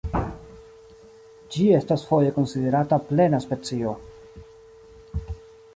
Ĝi estas foje konsiderata plena specio.